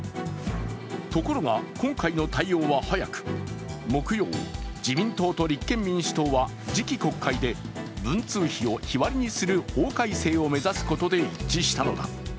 ところが今回の対応は早く木曜、自民党と立憲民主党は次期国会で文通費を日割りにする法改正を目指すことで一致したのだ。